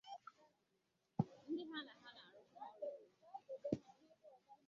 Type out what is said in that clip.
ndị ha na ha na-arụkọ ọrụ ọnụ.